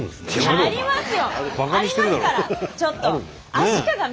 ちょっと！